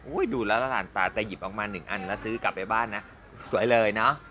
อุ้ยดูแล้วล้านปลาก็หยิบออกมา๑อันน่ะซื้อกลับไปบ้านนะสวยเลยเนาะ